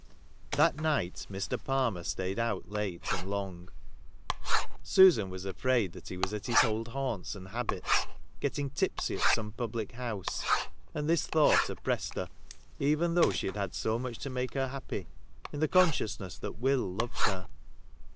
That night Mr. Palmer stayed out late and long. Susan was afraid that he was at his old haunts and habits, — getting tipsy at some public house ; and this thought oppressed her, even though she had so much to make her happy, in the consciousness that Will loved her.